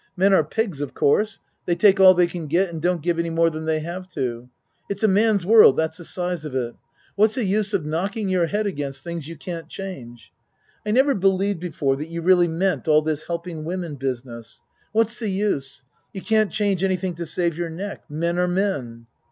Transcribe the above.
Men are pigs of course. They take all they can get and don't give any more than they have to. It's a man's world that's the size of it. What's the use of knocking your head against things you can't change? I never believed before that you really meant all this helping women business. What's the use? You can't change anything to save your neck. Men are men.